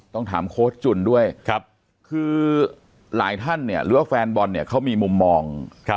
ต้องถามโค้ชจุ่นด้วยคือหลายท่านเนี่ยหรือว่าแฟนบอลเนี่ยเขามีมุมมอง